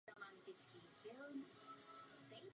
Santa Cruz byl častým účastníkem národní ligy.